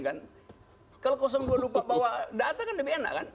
kalau kosong lupa bawa data kan lebih enak